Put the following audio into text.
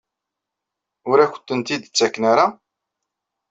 Ur akent-tent-id-ttaken ara?